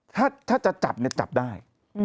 ถ้าจะจับเนี่ยจับได้